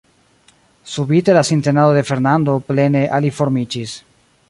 Subite la sintenado de Fernando plene aliformiĝis.